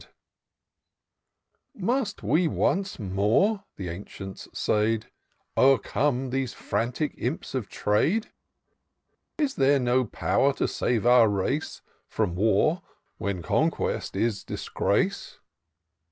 u u 330 TOUR OP DOCTOR SYNTAX * Must we once more, ' the Ancients said, *0'ercome these frantic imps of trade ? Is there no power to save our race From war, when conquest is disgrace?